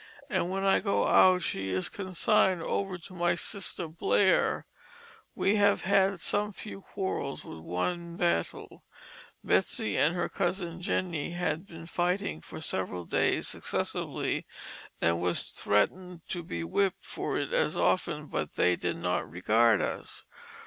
And when I go out she is consigned over to my Sister Blair: we have had some few Quarrels and one Battle. Betsey and her Cousin Jenny had been fighting for several days successively & was threatened to be whipt for it as often but they did not regard us.